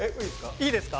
いいですか？